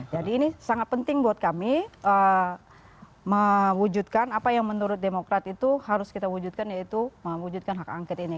jadi ini sangat penting buat kami mewujudkan apa yang menurut demokrat itu harus kita wujudkan yaitu mewujudkan hak angket ini